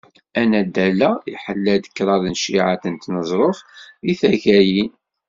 Anaddal-a, iḥella-d kraḍ n cciεat n teẓruft deg taggayin.